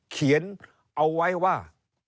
เขียนเอาไว้ว่า